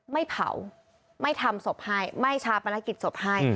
ไม่เผาไม่ทำศพให้ไม่ชาปนกิจศพให้